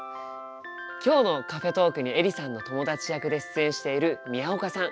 今日のカフェトークにエリさんの友達役で出演している宮岡さん。